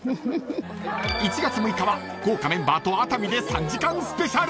［１月６日は豪華メンバーと熱海で３時間スペシャル］